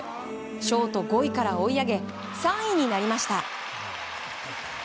ショート５位から追い上げ３位になりました。